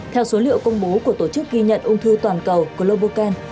theo số liệu công bố của tổ chức ghi nhận ung thư toàn cầu global can